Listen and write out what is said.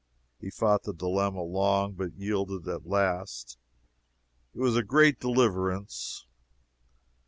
He fought the dilemma long, but yielded at last. It was a great deliverance.